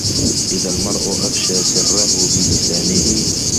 إِذا المَرءُ أَفشى سِرَّهُ بِلِسانِهِ